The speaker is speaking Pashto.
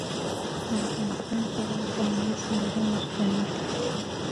د افغانستان هیواد په آمو سیند باندې غني دی.